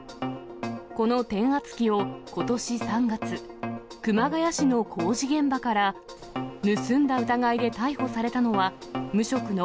この転圧機をことし３月、熊谷市の工事現場から盗んだ疑いで逮捕されたのは、無職の